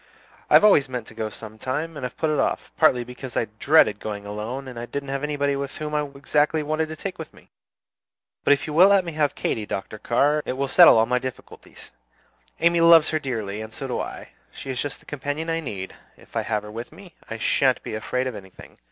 "I have always meant to go some time, and have put it off, partly because I dreaded going alone, and didn't know anybody whom I exactly wanted to take with me. But if you will let me have Katy, Dr. Carr, it will settle all my difficulties. Amy loves her dearly, and so do I; she is just the companion I need; if I have her with me, I sha'n't be afraid of anything.